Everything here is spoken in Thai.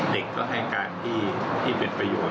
เด็กก็ให้การที่เป็นประโยชน